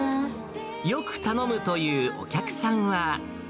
よく頼むというお客さんは。